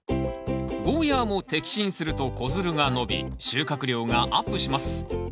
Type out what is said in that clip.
ゴーヤーも摘心すると子づるが伸び収穫量がアップします。